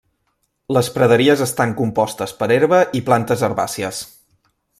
Les praderies estan compostes per herba i plantes herbàcies.